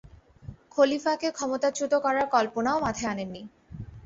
খলিফাকে ক্ষমতাচ্যুত করার কল্পনাও মাথায় আনেননি।